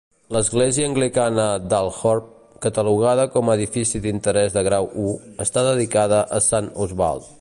L'església anglicana d'Althorpe, catalogada com a edific d'interès de grau I, està dedicada a Sant Oswald.